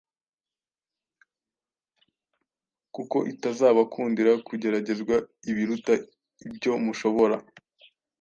kuko itazabakundira kugeragezwa ibiruta ibyo mushobora,